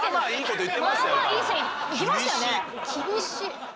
厳しい。